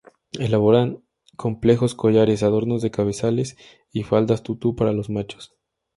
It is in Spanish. Elaboran con complejos collares, adornos de cabezales y faldas tutu para los machos.